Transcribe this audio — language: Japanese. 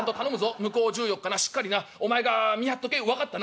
向こう１４日なしっかりなお前が見張っとけ分かったな？」。